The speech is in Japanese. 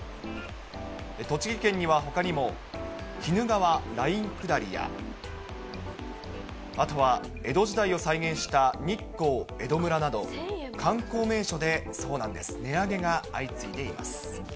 栃木県にはほかにも、鬼怒川ライン下りや、あとは江戸時代を再現した日光江戸村など、観光名所で値上げが相次いでいます。